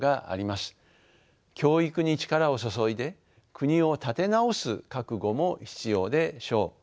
教育に力を注いで国を立て直す覚悟も必要でしょう。